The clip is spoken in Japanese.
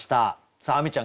さあ亜美ちゃん